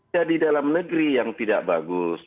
jadi dalam negeri yang tidak bagus